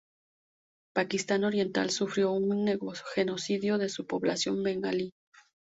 Pakistán Oriental sufrió un genocidio de su población bengalí.